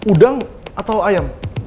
udang atau ayam